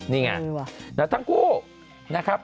นี่ไงแล้วทั้งคู่นะครับ